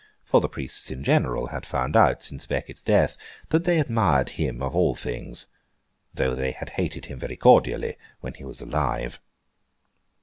For the Priests in general had found out, since à Becket's death, that they admired him of all things—though they had hated him very cordially when he was alive.